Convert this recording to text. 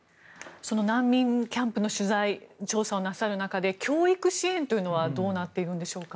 難民キャンプの取材調査をする中で教育支援はどうなっているんでしょうか。